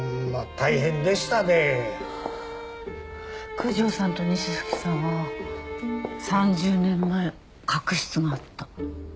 九条さんと西崎さんは３０年前確執があった。